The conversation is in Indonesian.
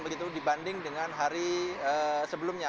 begitu dibanding dengan hari sebelumnya